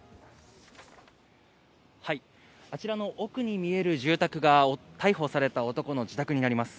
はい、あちらの奥に見える住宅が逮捕された男の自宅になります。